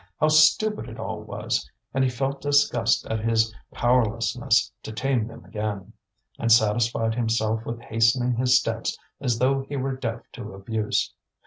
How stupid it all was! and he felt disgust at his powerlessness to tame them again; and satisfied himself with hastening his steps as though he were deaf to abuse.